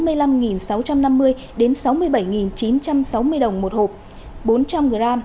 các loại thịt nạc thăn chân giò thịt xay mít đề ly có giá từ bốn mươi năm sáu trăm năm mươi đến sáu mươi bảy chín trăm sáu mươi đồng một hộp bốn trăm linh g